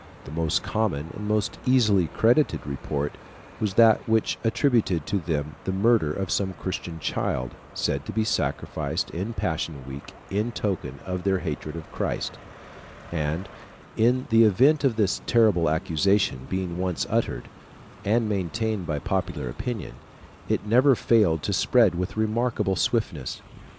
The most common, and most easily credited report, was that which attributed to them the murder of some Christian child, said to be sacrificed in Passion week in token of their hatred of Christ; and in the event of this terrible accusation being once uttered, and maintained by popular opinion, it never failed to spread with remarkable swiftness.